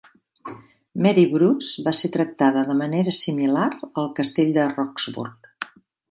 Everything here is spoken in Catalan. Mary Bruce va ser tractada de manera similar al castell de Roxburgh.